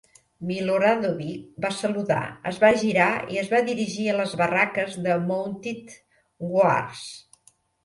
Miloradovich va saludar, es va girar i es va dirigir a les barraques de Mounted Guards.